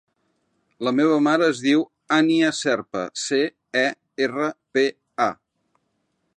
La meva mare es diu Ànnia Cerpa: ce, e, erra, pe, a.